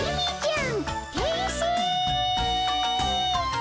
ん？